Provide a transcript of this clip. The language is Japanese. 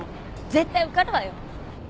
絶対受かるわよ。